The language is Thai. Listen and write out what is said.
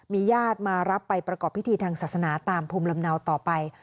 ญาติมารับไปประกอบพิธีทางศาสนาตามภูมิลำเนาต่อไป